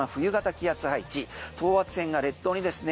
気圧配置高圧線が列島にですね